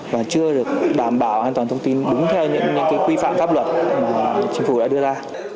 và chưa được đảm bảo an toàn thông tin đúng theo những quy phạm pháp luật mà chính phủ đã đưa ra